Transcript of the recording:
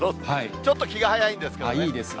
ちょっと気が早いんですけどね。